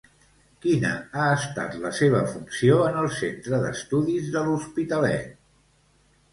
Quina ha estat la seva funció en el Centre d'Estudis de l'Hospitalet?